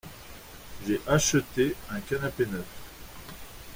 J’ai acheté un canapé neuf.